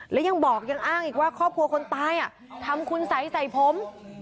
และยังบอกยังอ้างอีกว่าครอบครัวคนตายทำคุณสัยใส่ผม